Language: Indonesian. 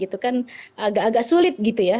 bagaimana dengan negara negara lainnya